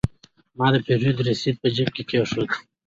ما د پیرود رسید په جیب کې کېښود.